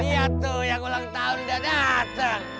niat tuh yang ulang tahun udah dateng